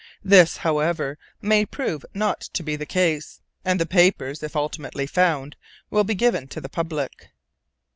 This, however, may prove not to be the case, and the papers, if ultimately found, will be given to the public.